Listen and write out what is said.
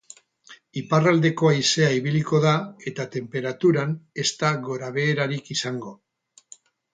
Iparraldeko haizea ibiliko da eta tenperaturan ezta gorabeherarik izango.